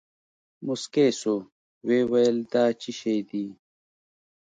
موسکى سو ويې ويل دا چي شې دي.